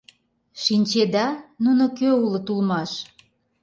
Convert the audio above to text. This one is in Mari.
Шинчеда, нуно кӧ улыт улмаш?